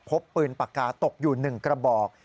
พบปืนปากกาตกอยู่๑กระบอก